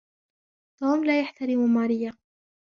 توم لا يحترمْ ماريّا.